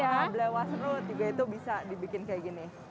iya belewah serut juga itu bisa dibikin kayak gini